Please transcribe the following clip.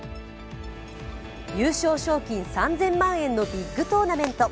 優勝賞金３０００万円のビッグトーナメント。